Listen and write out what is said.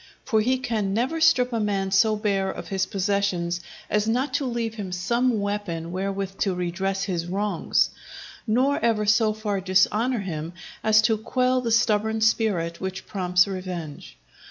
For he can never strip a man so bare of his possessions as not to leave him some weapon wherewith to redress his wrongs, nor ever so far dishonour him as to quell the stubborn spirit which prompts revenge.